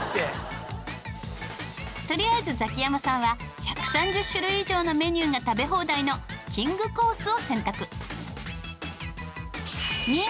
とりあえずザキヤマさんは１３０種類以上のメニューが食べ放題のきんぐコースを選択。